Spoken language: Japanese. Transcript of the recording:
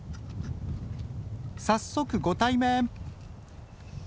早速ご対面！